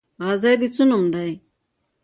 غازی د څه نوم دی؟